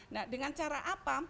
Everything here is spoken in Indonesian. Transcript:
nah dengan cara apa